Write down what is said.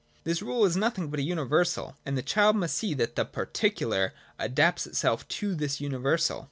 This rule is nothing but a universal : and the child must see that the particular adapts itself to this universal.